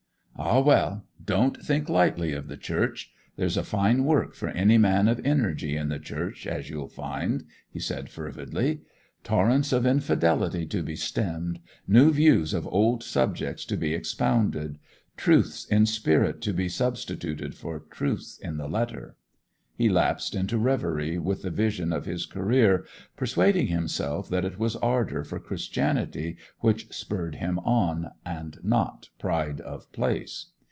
'Ah, well—don't think lightly of the Church. There's a fine work for any man of energy in the Church, as you'll find,' he said fervidly. 'Torrents of infidelity to be stemmed, new views of old subjects to be expounded, truths in spirit to be substituted for truths in the letter ...' He lapsed into reverie with the vision of his career, persuading himself that it was ardour for Christianity which spurred him on, and not pride of place.